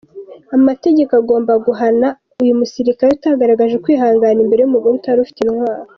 Amategeko agomba guhana uyu musirikari utagaragaje ukwihangana imbere y’umugore utari ufite intwaro.